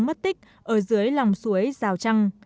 mất tích ở dưới lòng suối rào trăng